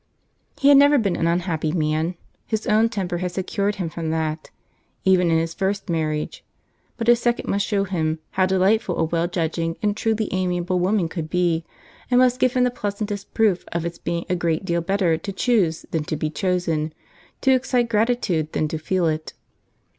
He had never been an unhappy man; his own temper had secured him from that, even in his first marriage; but his second must shew him how delightful a well judging and truly amiable woman could be, and must give him the pleasantest proof of its being a great deal better to choose than to be chosen, to excite gratitude than to feel it.